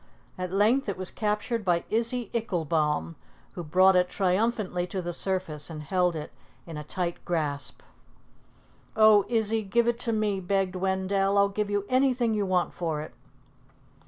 At length it was captured by Izzy Icklebaum, who brought it triumphantly to the surface and held it in a tight grasp. "Oh, Izzy, give it to me," begged Wendell. "I'll give you anything you want for it."